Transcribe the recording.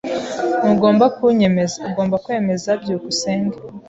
Ntugomba kunyemeza. Ugomba kwemeza byukusenge.